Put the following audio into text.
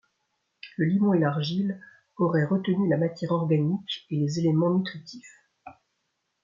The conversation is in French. Le limon et l'argile auraient retenu la matière organique et les éléments nutritifs.